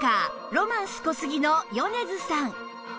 ロマンス小杉の米津さん